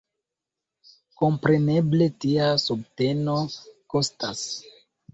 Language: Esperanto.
Kompreneble, tia subteno kostas.